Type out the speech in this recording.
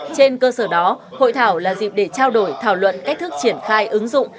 trên cơ sở đó hội thảo là dịp để trao đổi thảo luận cách thức triển khai ứng dụng